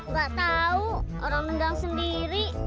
nggak tahu orang nendang sendiri